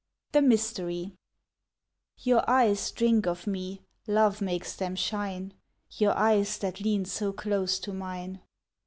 The Mystery Your eyes drink of me, Love makes them shine, Your eyes that lean So close to mine.